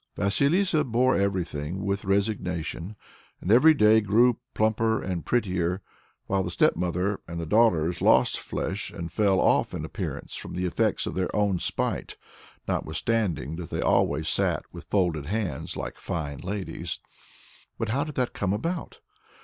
Vasilissa bore everything with resignation, and every day grew plumper and prettier, while the stepmother and her daughters lost flesh and fell off in appearance from the effects of their own spite, notwithstanding that they always sat with folded hands like fine ladies. But how did that come about?